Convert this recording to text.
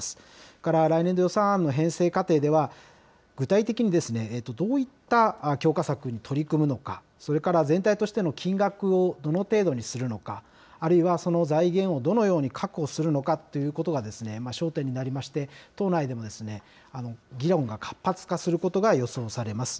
それから来年度予算案の編成過程では、具体的にどういった強化策に取り組むのか、それから全体としての金額をどの程度にするのか、あるいはその財源をどのように確保するのかということが、焦点になりまして、党内でも議論が活発化することが予想されます。